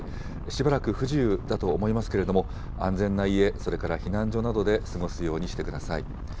しばらく不自由だと思いますけれども、安全な家、それから避難所などで過ごすようにしてください。